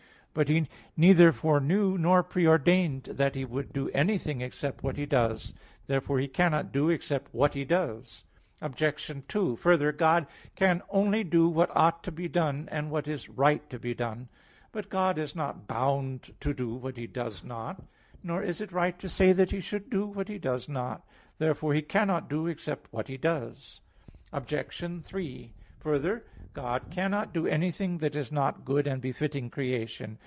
But He neither foreknew nor pre ordained that He would do anything except what He does. Therefore He cannot do except what He does. Obj. 2: Further, God can only do what ought to be done and what is right to be done. But God is not bound to do what He does not; nor is it right that He should do what He does not. Therefore He cannot do except what He does. Obj. 3: Further, God cannot do anything that is not good and befitting creation.